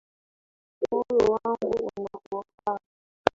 Moyo wangu unaraha